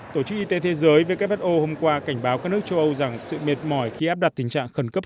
tổ chức y tế thế giới who hôm qua cảnh báo các nước châu âu rằng sự mệt mỏi khi áp đặt tình trạng khẩn cấp